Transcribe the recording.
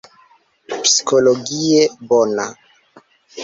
Psikologie bona.